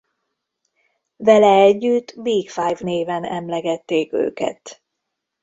Vele együtt Big Five néven emlegették őket.